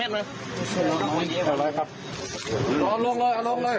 กลุ่มตัวเชียงใหม่